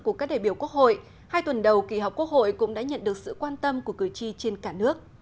của các đại biểu quốc hội hai tuần đầu kỳ họp quốc hội cũng đã nhận được sự quan tâm của cử tri trên cả nước